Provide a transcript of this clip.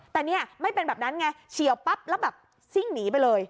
แต่เนี่ยไม่เป็นแบบนั้นไงเฉียวปั๊บแล้วแบบซิ่งหนีไปเลย